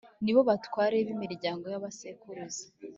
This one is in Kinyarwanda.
ni bo batware b’imiryango ya ba sekuruza